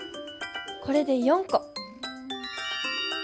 これで４コ。